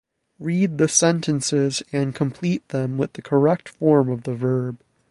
Read the sentences and complete them with the correct form of the verb.